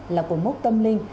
là quần mốc tâm linh